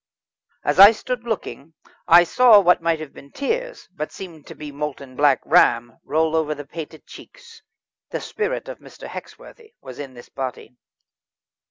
As I stood looking I saw what might have been tears, but seemed to be molten Black Ram, roll over the painted cheeks. The spirit of Mr. Hexworthy was in this body.